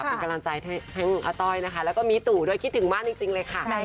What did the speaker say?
เป็นกำลังใจให้อาต้อยนะคะแล้วก็มีตู่ด้วยคิดถึงมากจริงเลยค่ะ